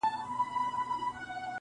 ستا پۀ وادۀ كې جېنكو بېګاه چمبه وهله,